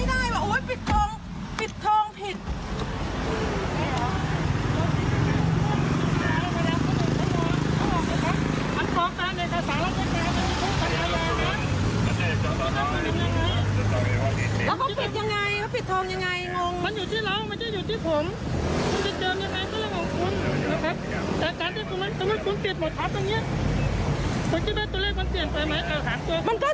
ทับไว้กูอย่างไร